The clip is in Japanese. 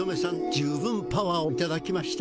十分パワーをいただきました。